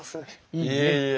いえいえ。